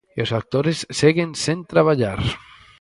E os actores seguen sen traballar.